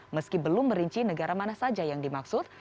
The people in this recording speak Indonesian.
meski belum merinci negara mana saja yang dimaksud